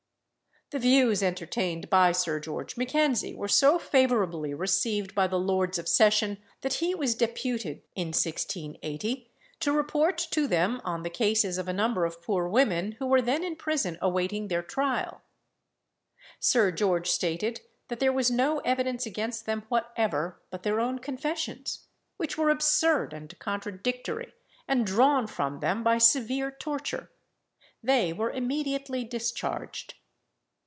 The views entertained by Sir George Mackenzie were so favourably received by the Lords of Session, that he was deputed, in 1680, to report to them on the cases of a number of poor women who were then in prison awaiting their trial. Sir George stated that there was no evidence against them whatever but their own confessions, which were absurd and contradictory, and drawn from them by severe torture. They were immediately discharged.